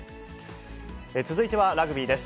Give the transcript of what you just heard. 続いてはラグビーです。